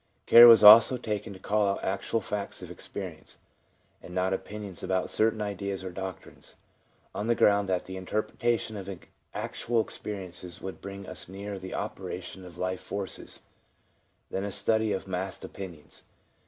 Care was always taken to call out actual facts of experience, and not opinions about certain ideas or doctrines, on the ground that the interpretation of actual experiences would bring us nearer the operation of life forces than a study of massed opinions.